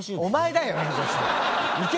お前だよ！